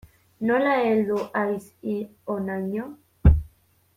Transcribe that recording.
Nola heldu haiz hi honaino?